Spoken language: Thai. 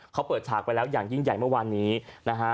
เขาเปิดฉากไปแล้วอย่างยิ่งใหญ่เมื่อวานนี้นะฮะ